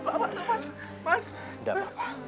tidak enggak enggak